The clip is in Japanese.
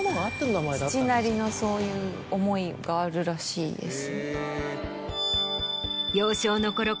父なりのそういう思いがあるらしいです。